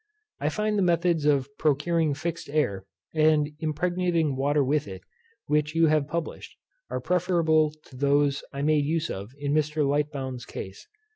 I find the methods of procuring fixed air, and impregnating water with it, which you have published, are preferable to those I made use of in Mr. Lightbowne's case.